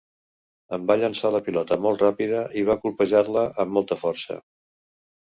Em va llençar la pilota molt ràpida i va colpejar-la amb molta força.